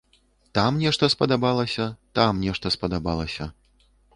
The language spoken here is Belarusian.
Там нешта спадабалася, там нешта спадабалася.